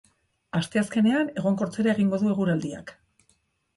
Asteazkenean, egonkortzera egingo du eguraldiak.